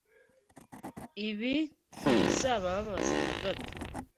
Ibi ntibizababaza na gato.